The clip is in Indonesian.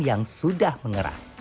yang sudah mengeras